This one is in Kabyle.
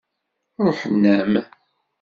Ṛuḥen-am.